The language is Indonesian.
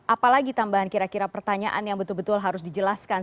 apalagi tambahan kira kira pertanyaan yang betul betul harus dijelaskan